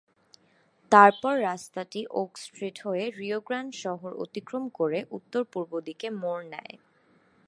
তারপর রাস্তাটি Oak Street হয়ে রিও গ্রান্ড শহর অতিক্রম করে উত্তর-পূর্ব দিকে মোড় নেয়।